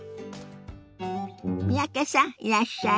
三宅さんいらっしゃい。